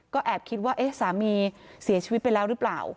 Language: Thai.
ก็แอบคิดว่าเอ๊ะสามีเสียชีวิตไปแล้วหรือเปล่า